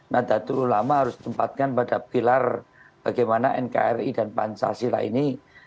nadatul ulama harus tempatkan pada pilar bagaimana nkri dan pancasila ini